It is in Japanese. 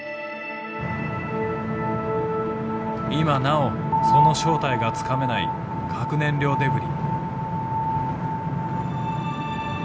今なおその正体がつかめない核燃料デブリ。